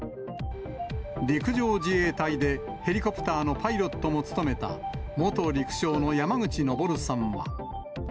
陸上自衛隊でヘリコプターのパイロットも務めた元陸将の山口昇さんは。